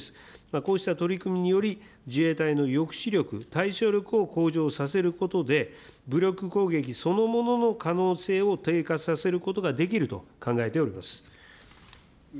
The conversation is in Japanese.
こうした取り組みにより、自衛隊の抑止力、対処力を向上させることで、武力攻撃そのものの可能性を低下させることができると考えております。